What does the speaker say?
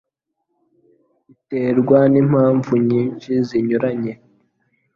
iterwa n'impamvu nyinshi zinyuranye